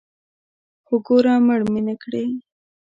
خو ګوره مړ مې نکړې.